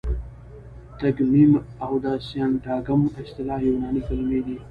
تګمیم او د سینټاګم اصطلاح یوناني کلیمې دي.